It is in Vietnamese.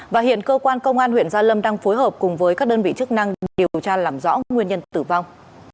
và hiện cơ quan công an huyện gia lâm đang phối hợp cùng với các đơn vị chức năng điều tra làm rõ nguyên nhân tử vong